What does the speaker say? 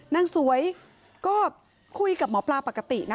นางสวยก็คุยกับหมอปลาปกตินะ